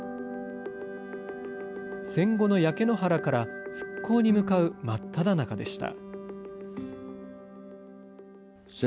戦後の焼け野原から復興に向かう真っただ中でした。